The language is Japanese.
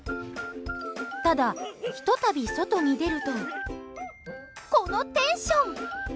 ただ、ひと度外に出るとこのテンション！